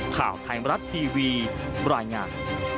ข่าวไทยมรัฐทีวีบรรยายงาน